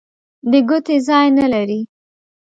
د ګوتې ځای نه لري.